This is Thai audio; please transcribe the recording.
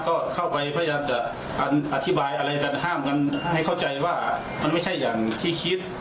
ก็เข้าไปพยายามจะอธิบายอะไรกันห้ามกันให้เข้าใจว่ามันไม่ใช่อย่างที่คิด